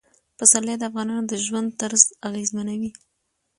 پسرلی د افغانانو د ژوند طرز اغېزمنوي.